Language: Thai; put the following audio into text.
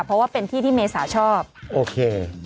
เพราะว่าเป็นที่ที่เมษาชอบโอเค